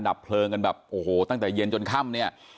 ดับเพลิงกันแบบโอ้โหตั้งแต่เย็นจนค่ำเนี่ย